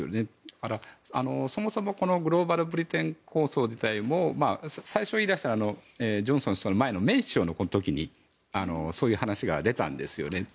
だから、そもそもグローバル・ブリテン構想自体も最初に言い出したのはジョンソン首相の前のメイ首相の時にそういう話が出たんですよね。